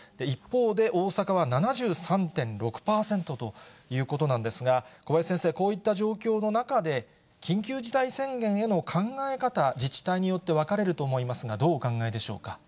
一方で、大阪は７３．６％ということなんですが、小林先生、こういった状況の中で、緊急事態宣言への考え方、自治体によって分かれると思いますが、どうお考えでしょうか。